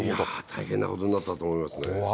大変なことになったと思います。